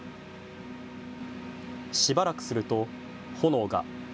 しばらくすると炎が。